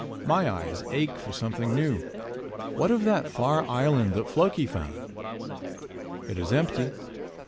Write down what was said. My eyes ache for something new. What of that far island that Floki found? It is empty.